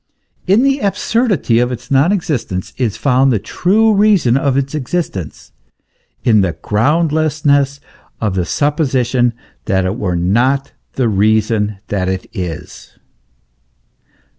In the absurdity of its non existence is found the true reason of its existence, in the groundlessness 42 THE ESSENCE OF CHRISTIANITY. of the supposition that it were not, the reason that it is.